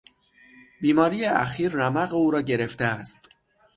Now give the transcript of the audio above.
بیماری اخیر رمق او را گرفته است.